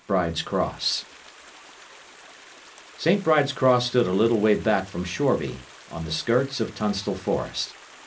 BRIDE'S CROSS St. Bride's cross stood a little way back from Shoreby, on the skirts of Tunstall Forest.